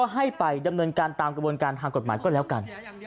ให้ไปดำเนินการตามกระบวนการทางกฎหมายก็แล้วกัน